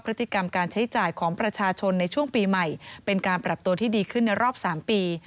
พฤติกรรมการใช้จ่ายของประชาชนในช่วงปีใหม่เป็นการปรับตัวที่ดีขึ้นในรอบ๓ปี